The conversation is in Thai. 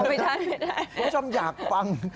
คุณผู้ชมอยากฟัง